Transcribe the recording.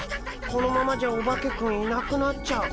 このままじゃオバケくんいなくなっちゃう。